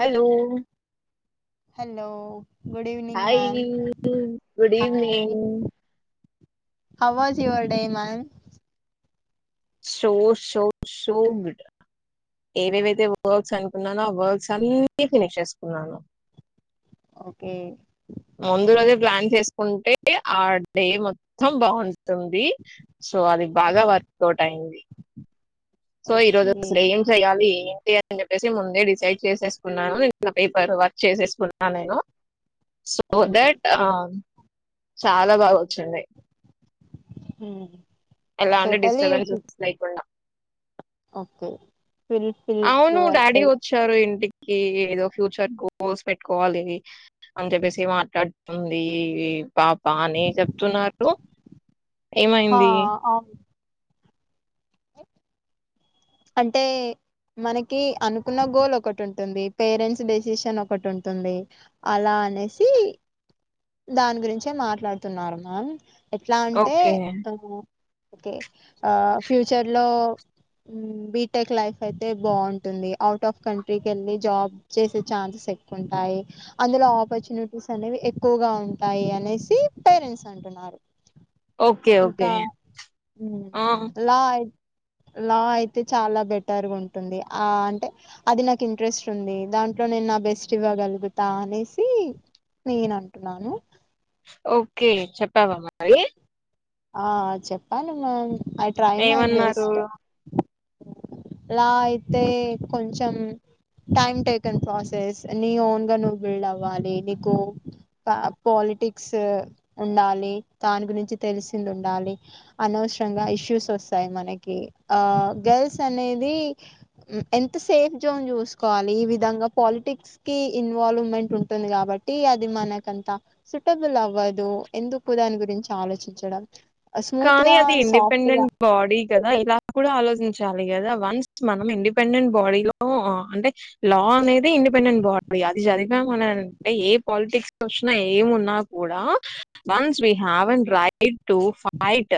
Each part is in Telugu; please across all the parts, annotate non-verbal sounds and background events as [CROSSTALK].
Hello hello hi [INAUDIBLE] good evening how was your day ma'am. So so so good ఏవేవైతే వర్క్స్ అనుకున్నానో ఆ వర్క్స్ అన్ని ఫినిష్ చేసుకున్నాను కే ముందు రోజే ప్లాన్ చేసుకుంటే ఆ డే మొత్తం బావుంటుంది సో అది బాగా వర్క్ ఔట్ అయింది సో ఈరోజు అసలు ఏం చెయ్యాలి [INAUDIBLE] [UNINTELLIGIBLE] అని చెప్పేసి ముందే డిసైడ్ చేసేసుకున్నాను [INAUDIBLE] పేపర్ వర్క్ చేసేసుకున్నా నేను సో దట్ ఆ చాలా బాగా వచ్చింది హ్మ్ ఎలా డిస్టర్బెన్స్ లేకుండా ఓకే అవును డాడీ వచ్చారు ఇంటికి కీ ఏదో ఫ్యూచర్ గోల్స్ పెట్టుకోవాలి అని చెప్పేసి మాట్లాడుతుంది పాప బానే చెప్తున్నారు హా ఏమైంది ఆ అంటే మనకి అనుకున్న గోల్ ఒకటి ఉంటుంది పేరెంట్స్ డెసిషన్ ఒకటి ఉంటుంది అలా అనేసి దాని గురించే మాట్లాడుతున్నారు మ్యామ్ ఎట్లా అంటే ఓకే ఆ ఓకే ఆ ఫ్యూచర్ లో మ్మ్ బి టెక్ లైఫ్ అయితే బాగుంటుంది అవుట్ ఆఫ్ కంట్రీకి వెళ్ళి జాబ్ చేసే ఛాన్సెస్ ఎక్కువంటాయి అందులో ఆపర్చునిటీస్ అనేవి ఎక్ క్కువగా ఉంటాయి అనేసి పేరెంట్స్ అంటున్నారు. ఓకే ఓకే ఇంకా హ్మ్ ఆ లా లా అయితే చాలా బెటర్ గా ఉంటుంది ఆ అంటే అది నాకు ఇంట్రెస్ట్ ఉంది దాంట్లో నేను నా బెస్ట్ ఇవ్వగలుగుతా అనేసి నేను అను కున్నాను ఓకే చెప్పావా మరి ఆ చెప్పాలి మ్యామ్ ఐ ట్రై మై ఏమన్నారు లా అయితే కొంచెం టైమ్ టేకన్ ప్రాసెస్ నీ ఓన్ గా నువ్వు బిల్డ్ అవ్వాలి నీకు పా పాలిటిక్స్ ఉండాలి దాని గురించి తెలిసింది ఉండాలి అనవసరంగా ఇష్యూస్ వస్తాయి మనకి ఆ గర్ల్స్ అనేది ఎంత సేఫ్ జోన్ చూసుకోవాలి ఈ విధంగా పాలిటిక్స్ కి ఇన్వాల్వ్మెంట్ ఉంటుంది కాబట్టి అది మనకంత సూటబుల్ అవ్వదు ఎందుకు దాని గురించి ఆలోచించడం స్మూత్ కానీ గా అది సాఫ్ట్ గా ఇండిపెండెంట్ బాడీ కదా ఇలా కూడా ఆలోచించాలి లి కదా వన్స్ మనం ఇండిపెండెంట్ బాడీ లో అంటే లా అనేది ది ఇండిపెండెట్ బాడీ అది [UNINTELLIGIBLE] ప్పం అని ఏ పాలిటిక్స్ వచ్చిన ఏమున్నా కూడా once we have an right to fight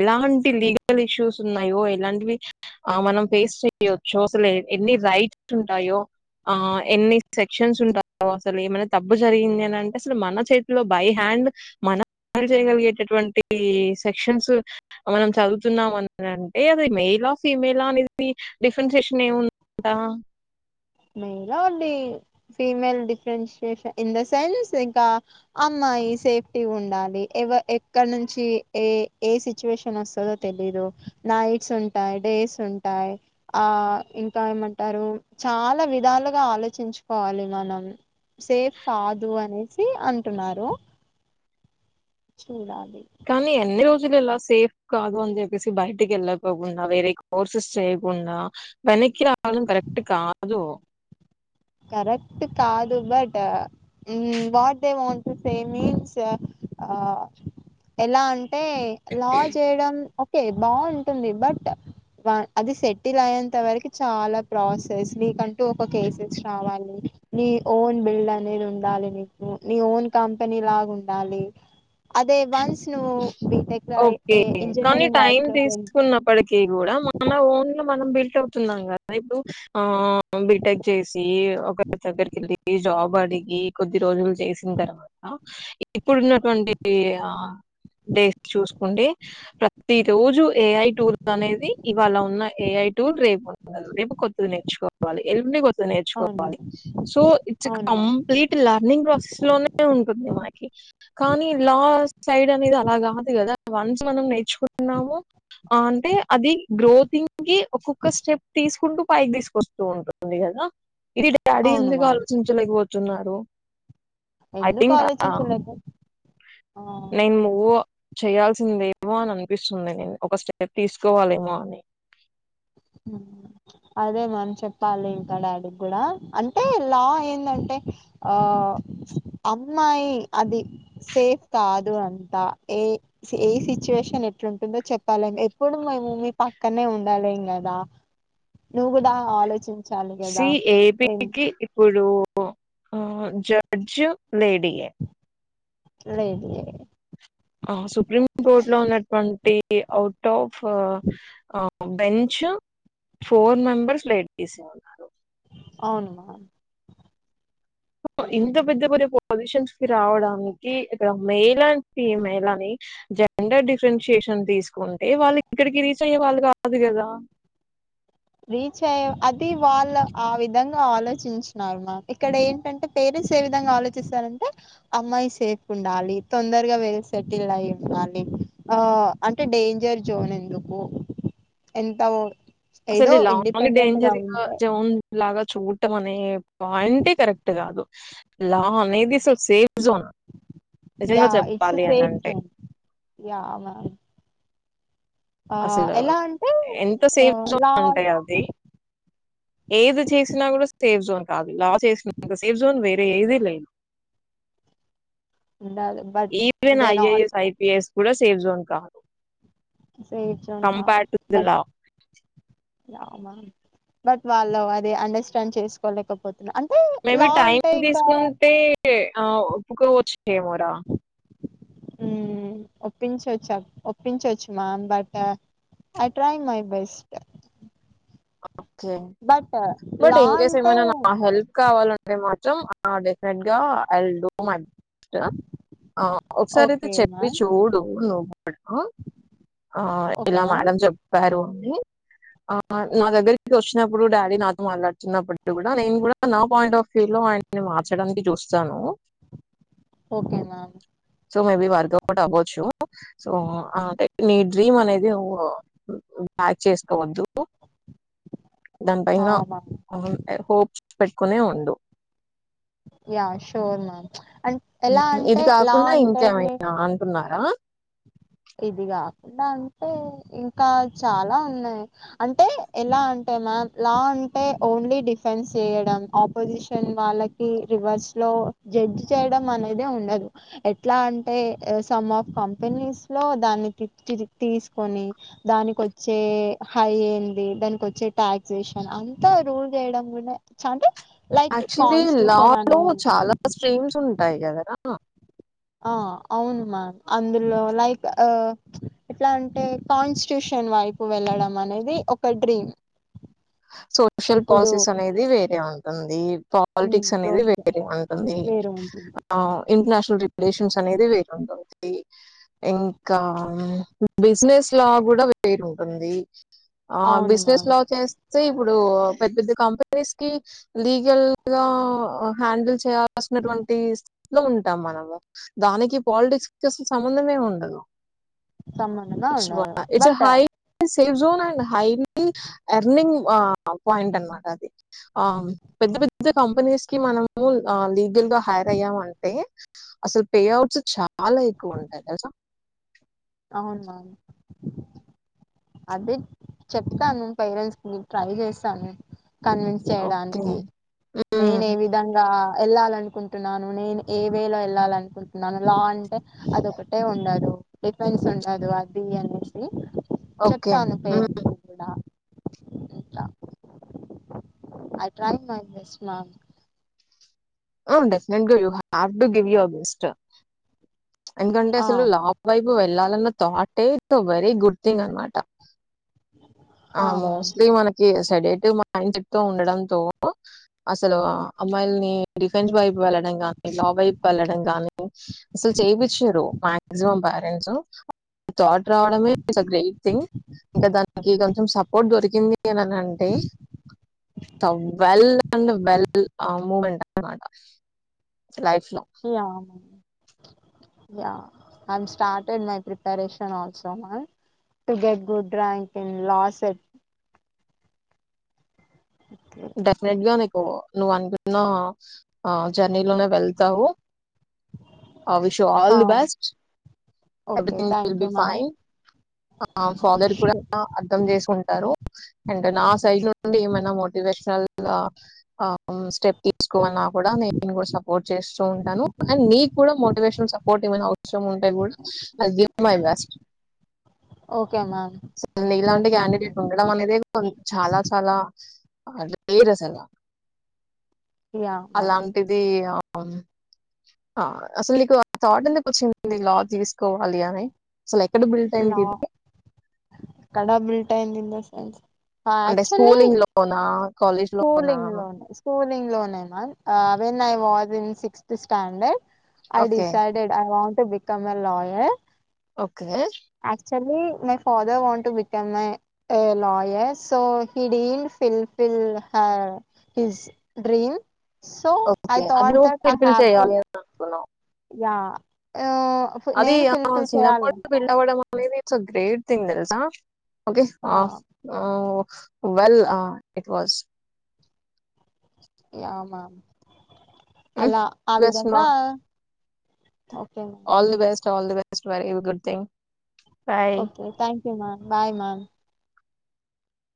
ఎలాంటి లీగల్ ఇష్యూస్ న్నాయో ఎలాంటివి ఆ మనం ఫేస్ చెయచ్చు అసలు ఎన్ని రైట్స్ ఉంటాయో ఆ ఎన్ని సెక్షన్స్ ఉంటాయో అసలు ఏమైనా తప్పు జరిగింది అనింటే అసలు మన చేతిలో బై హ్యాండ్ మనం చేయగలిగేటటువంటి ఈ సెక్షన్స్ మనం చదువుతున్నాం అని అంటే అది మేలా ఫీమేలా అనేది డిఫరెన్సియేషన్ ఏముందందా మేలా అండి female differentiation in the sense ఇంకా అమ్మాయి సేఫ్టీ ఉండాలి ఎవ ఎక్కడ నుంచి ఏ ఏ సిచ్యుయేషన్ వస్తదో తెలీదు నైట్స్ ఉంటాయి డేస్ ఉంటాయి ఆ ఇంకా ఏమంటారు చాలా విధాలుగా ఆలోచించుకోవాలి మనం సేఫ్ కాదు అనేసి అంటున్నారు. చూడాలి కానీ ఎన్ని రోజు రజలు ఎలా సేఫ్ కాదు అని చెప్పేసి బయటికి వెళ్ళకోకుండా వేరే కోర్సెస్ చేయకుండా వెనక్కి రావడం కరెక్ట్ కాదు కరెక్ట్ కాదు బట్ మ్మ్ what they want same means ఆ ఎలా టే లా చేయడం ఒక్కటే టే బాగుంటుంది బట్ అది సెటిల్ అయ్యేంత వరకు చాలా ప్రాసెస్కంట టు కో కేసెస్ కావాలి నీ ఓన్ బిల్డ్ అనేది ఉండాలి నీకు నీ ఓన్ కంపెనీ లాగా ఉండాలి అదే వన్స్ నువ్ ఓకే కానీ టైం లోకి వెళ్ళి తీసుకున్నప్పటికి కూడా మన ఓన్ మనం బిల్ట్ అవుతున్నాం కదా ఇప్పుడు ఆ బిటెక్ చేసి ఒకరి దగ్గరిక వెళ్ళి జాబ్ అడిగి కొద్ది రోజులు చేసిన తర్వాత ఇప్పుడున్నటువంటి ఆ డే చూసుకుంటే ప్రతి రోజు ఏఐ టూల్ అనేది ఇవ్వాళ ఉన్న ఏఐ టూల్ రేప్ రేపు కొద్దిగ నేర్చుకోవాలి ఎల్లుండి కో అవును నేర్చుకోవాలి సో ఇట్స్ అవును మ్యామ్ కంప్లీట్ లర్నింగ్ ప్రాసెస్ లోనే ఉంటుంది మనకి కానీ లాస్ సైడ్ అనేది అలాకద్ కదా వన్స్ మనం నేర్చుకున్నాము అంటే అది గ్రోతిింగ్ కి ఒక్కొక్క స్టెప్ తీసుకుంటూ పైకి తీసుకొస్తూ ఉంటుంది కదా ఇది డాడీ అవును ఎందుకు మ్యామ్ ఆలోచించలేకపోత్ స్తున్నారు ఐ ఎందుకు థింక్ ఆ ఆలోచించలేదు నిమ్ము చేయాల్సిందేమో అని అనిపిస్తుంది నేను ఒక స్టెప్ తీసుకోవాలేమో అని అదే మ్యామ్ చెప్పాలి ఇంకా డాడీ కూడా అంటే లా ఏందంటే ఆ అమ్మాయి అది సేఫ్ కాదు అంతా ఏ ఏ సిచ్యువేషన్ ఎట్లుంటుందో చెప్పలేం ఎప్పుడు మీము మీ పక్కనే ఉండాలేం కాదా దా నువ్వు కూడా ఆలోచిం సి ఏబికి ఇప్పుడ్ డు ఆ జడ్జ్ లేడీయే లేదు ఆ సుప్రీం కోర్టు లో ఉన్నటువంటి అవుట్ ఆ ఫ్ ఆ బెంచ్ ఫోర్ మెంబర్స్ లైట్ తీసే ఉన్నారు అవునుమామ్ ఇంత పెద్ద పెద్ద పొజిషన్స్ కి రావడానికి ఇక్కడ మెయిల్ అండ్ ఫీమెల్ అని జెండర్ డిఫరెన్షియేషన్ తీసుకుంటే వాళ్ళు ఇక్కడికి రీచ్ అయ్యే వాళ్ళు కాదు కదా రీచ్ అయ్య అది వాళ్ళు ఆ విధంగా ఆలోచించినర్ మా ఇక్కడ ఏంటంటే పేరెంట్స్ ఏ విధంగా ఆలోచిస్తారంటే అమ్మాయి సేఫ్ ఉండాలి తొందరగా వెల్ సెటిల్ లైఫ్ కానీ ఆ అంటే డేంజర్ జోన్ ఎందుకు ఎంత ఉన్ అసలు ఇలాంగ్ డేంజర్ ఇ జన్ లాగా చూట్ట మనే పాయింటే కరెక్ట్ కాదు లా అనేది so same yeah it's a అని ఫేక్ అంటే జోన్ యా మామ్ అసలు ఎంత సేఫ్గా లా అంటే అది ఏది చేసినా కూడా సేఫ్ జోన్ కాదు లా చేసినంత సేఫ్ జోన్ వే లేదే లేదు ఉండాలి బట్ ఈప్రేన్ దే నాట్ ఐఐఎస్ ఐపిఎస్ కూడా సేఫ్ జోన్ కాదు సే చోంట compare to the law but వాళ్ళు అది అండర్స్టాండ్ చేసుకోలేకపో మేబి టైం తీసుకుంటే ఎ ఒప్పుకొవచ్చేమోరా ఒప్పించవచ్చు ఒప్పించవచ్చు మా but I try my best okay but but law in case అంటే ఏమైనా నా హెల్ప్ కావాలంటే మ డెఫినెట్ గా ఐ విల్ డు మై ఆ ఒకసారి అయితే ఓకే చెప్పి మ్యామ్ చూడు నువ్వు కూడా ఆ ఓకే ఇలా మ్యామ్ మేడం చెప్తారు అని అ నా దగ్గరి వచ్చినప్పుడు డాడీ నాతో మాట్లాడుతున్నప్పుడు కూడా నేను కూడా నా పాయింట్ ఆఫ్ వ్యూ లో ఆయనీ మార్చడానికి చూస్తాను okay ma'am so maybe work out అవ్వచ్చు సో అంటే నీ డ్రీమ్ అనేది బ్యాక్ చేసుకోవద్దు దానిపైైన మ్యామ్ ఐ హోప్ పెట్టుకునే ఉండు యా శ్యూర్ మ్యామ్ అ ఎలా ఇది అంటే లా కాకుండా అంటే ఇంకెమైనా అంటున్నా ఆ ఇది కాకుండా అంటే ఇంకా చాలా ఉన్నాయి అంటే ఎలా అంటే మ్యామ్ లా అంటే ఓన్లీ డిఫెన్స్ చేయడం ఆపోజిషన్ వాళ్ళకి రివర్స్ లో జడ్జ్ చేయడం అనేది ఉండదు ఎట్లా అంటే సమ్ ఆఫ్ కంపెనీస్ లో దాన్ని తీసుకొని దానిక వచ్చే హై ఏంది దానినికి వచ్చే టాక్సేషన్ అంతా రూల్ చేయడం కూడా అంటే లైక్ యాక్చువల్గ లా కాన్స్టిట్యూషన్ లో, అనే చాలా స్ట్రీమ్స్ ఉంటాయి కదరా? ఆ అవును మ్యామ్ అందులో లైక్ ఎట్లా అంటే కాన్స్టిట్యూషన్ వైపు వెళ్ళడం అనేది ఒక డ్రీమ్ సోషల్ ఎప్పుడు పాలసీస్ అనేది వేరే ఉంటుంది పాలిటిక్స్ అనేది జోష్ వేరే ఉంటుంది. వేరు ఉంటుంది ఆ ఇంటర్నేషనల్ రిలేషన్స్ అనేది వేరు ఉంటుంది ఇంకా బిజినెస్ లా కూడా వేరు ఉంటుంది అవును బిజినస్ మ్యామ్ లో చేస్ అంటే ఇప్పుడు పెద్ద పెద్ద కంపెనీస్ కి లీగల్ గా హ్యాండిల్ చేయ వస్తుినటువంటి లో ఉంటాం మనము. దానికి పాలిటిక్స్ చేసిన సంబంధమే ఉండదు సంబంధంగా ఇట్స్ ఉండదు. It's but high safe zone and highly a winning a point అనమాట అది. పెద్ద పెద్ద కంపెనీస్ కి మనం అ లీగల్ గ హైర్ అయ్యాం అంటే, ఆసలు పే అవుట్స్ చా చాలా ఎక్కువ ఉంటాయి తెల్సా అవునవును అదే చెప్పాను పేరెంట్స్ కి ట్రై చేస్తాను కన్విన్స్ ఓకే చేయడానికి నేను ఏ విధంగా వెళ్ళాల అనుకుంటున్నాను నేను ఏ వేలో వెళ్ళాల అనుకుంటున్నాను లాంటి అదొ ఒకటే ఉండదు [UNINTELLIGIBLE] ఉండదు అది అనేసి ఓకే చెప్తాను పేరెంట్స్ కూడా [UNINTELLIGIBLE] ఆ డఫినెట్ గా you have to give your best ఎందుకంటే ఆ అసలు మ్యామ్ [UNINTELLIGIBLE] వైపు వెళ్ళాలన్న [UNINTELLIGIBLE] వెరీ గుడ్ థింగ్ అనమాట ఆ మోస్ట్లి [UNINTELLIGIBLE] సడేట్ండ్ [UNINTELLIGIBLE] ఉండడంతో అసలు అమ్మాయిల్ని డిఫెన్స్ వైపు వెళ్ళడం గానీ లా వైపు వెళ్ళడం గానీ అసలు చేపిచారు మాక్సిమం పేరెంట్స్ థాట్ రావడమే ఇస్ ద గ్రేట్ థింగ్ ఇంకా దానికి కొంచెం సపోర్ట్ దొరికింది [UNINTELLIGIBLE] [UNINTELLIGIBLE] [UNINTELLIGIBLE] [UNINTELLIGIBLE] to get good rank in law set definite గా నువ్వు అనుకున్న ఆ జర్నీలోనే వెళ్తావు ఆ wish all the best everything will be fine father కూడా అర్థం చేసుకుంటారు అండ్ నా సైజ్ నుండి ఏమైనా మోటివేషనల్ స్టెప్ తీసుకోవన్నా కూడా నేను కూడా సపోర్ట్ చేస్తూ ఉంటాను అండ్ నీ కూడా motivational support [UNINTELLIGIBLE] I give my best ఇలాంటి క్యాండిడేట్ ఉండడం [UNINTELLIGIBLE] చాలా చాలా [UNINTELLIGIBLE] అలాంటిది అసలు నీకు థాట్ ఎందుకు వచ్చింది లా తీసుకోవాలి అని అసలు ఎక్కడ [UNINTELLIGIBLE] కడా బీల్టాయింద దింద సెన్స్ అంటే స్కూలింగ్ లోనా కాలేజ్ లోనా స్కూలింగ్ లోనే స్కూలింగ్ లోనే మా when I was in sixth standard I okay decided [UNINTELLIGIBLE] to become a lawyer okay చులీ my father want to become my your so he did fill fill his dream so I okay. థ అది నువ్వు దట్ఐ పిలిపిలి హవ్ ట చేయాలి అని అనుకున్నావు. యా అది ఆ చిన్నప్పుడు పిల్లవడ స్ గ్రేట్ థింగ్ తెలుసా ఓకే వెల్ ఇట్ వజ య అమ్మ హ్మ్. అలా ఆ బెస్ట్ మా. విధంగా okay ma'am all the best the best is very good thing bye. Okay thank you ma'am bye ma'am